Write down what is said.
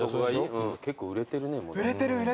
結構売れてるね。